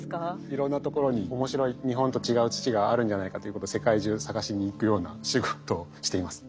いろんなところに面白い日本と違う土があるんじゃないかということ世界中探しに行くような仕事をしています。